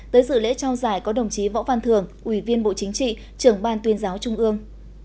tới dự lễ trao giải có đồng chí võ văn thường ủy viên bộ chính trị trưởng ban tuyên giáo trung ương